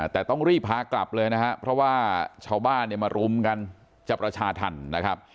แต่ต้องรีบหากลับเลยเพราะว่าชาวบ้านมารุมกันจับรัชาธรรม